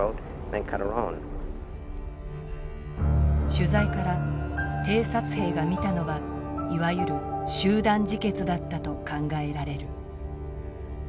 取材から偵察兵が見たのはいわゆる集団自決だったと考えられる。